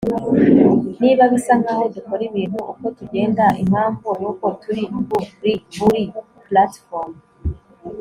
niba bisa nkaho dukora ibintu uko tugenda, impamvu nuko turi. kuri buri platform